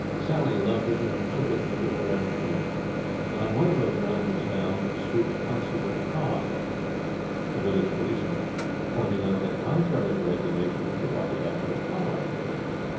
Sally loved it, and took it with her wherever she went. And on one of these rambles down swooped Constable Cobb, the village policeman, pointing out that, contrary to regulations, the puppy had no collar.